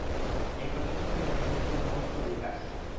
এই কঠোর সংযমই শক্তির মহোচ্চ বিকাশ।